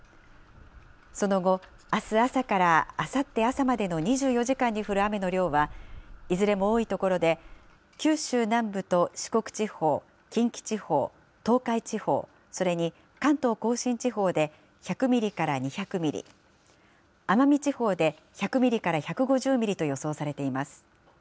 その後、あす朝からあさって朝までの２４時間に降る雨の量は、いずれも多い所で、九州南部と四国地方、近畿地方、東海地方、それに関東甲信地方で１００ミリから２００ミリ、奄美地方で１００ミリから１５０ミリと予想されています。